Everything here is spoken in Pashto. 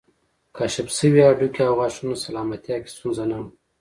کشف شوي هډوکي او غاښونه سلامتیا کې ستونزه نه وه